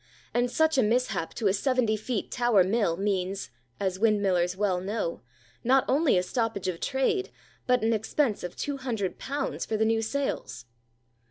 And such a mishap to a seventy feet tower mill means—as windmillers well know—not only a stoppage of trade, but an expense of two hundred pounds for the new sails.